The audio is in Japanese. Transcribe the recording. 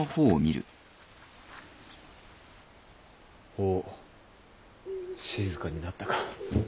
おっ静かになったか。